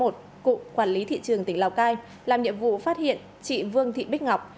cụ quản lý thị trường tỉnh lào cai làm nhiệm vụ phát hiện chị vương thị bích ngọc